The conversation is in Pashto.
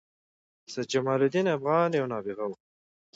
سيدجمال الدين افغان یو نابغه وه